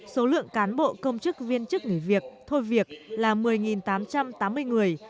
số lượng cán bộ công chức viên chức nghỉ việc thôi việc là một mươi tám trăm tám mươi người